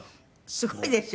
すごいですよ。